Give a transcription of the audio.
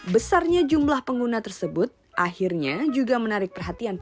besarnya jumlah pengguna tersebut akhirnya juga menarik perhatian